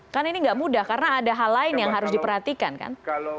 kan ini nggak mudah karena ada hal lain yang harus diperhatikan kan